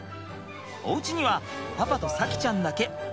おうちにはパパと咲希ちゃんだけ。